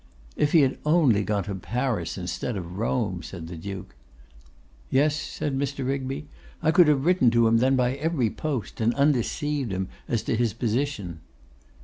'If he had only gone to Paris instead of Rome!' said the Duke. 'Yes,' said Mr. Rigby, 'I could have written to him then by every post, and undeceived him as to his position.